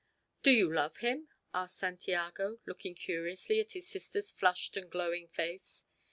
"Do you love him?" asked Santiago, looking curiously at his sister's flushed and glowing face.